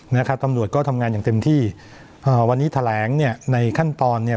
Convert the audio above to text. นะครับตำรวจก็ทำงานอย่างเต็มที่อ่าวันนี้แถลงเนี่ยในขั้นตอนเนี่ย